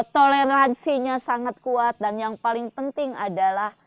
toleransinya sangat kuat dan yang paling penting adalah